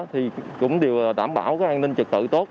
thì cũng đều đảm bảo cái an ninh trật tự tốt